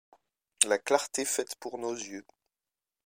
La clarté faite pour nos yeux